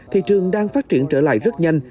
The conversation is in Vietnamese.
thị trường đang phát triển trở lại rất nhanh